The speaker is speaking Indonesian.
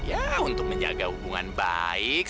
ya untuk menjaga hubungan baik